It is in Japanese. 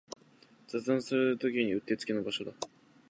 雑談するときにうってつけの場所だ